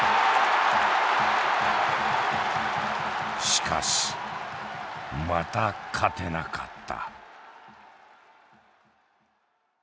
しかしまた勝てなかった。